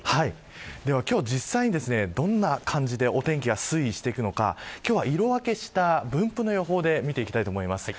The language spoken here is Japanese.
今日実際に、どのような感じでお天気が推移していくのか今日は色分けした分布の予報で見ていきたいと思います。